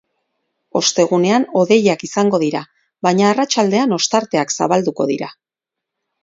Ostegunean hodeiak izango dira, baina arratsaldean ostarteak zabalduko dira.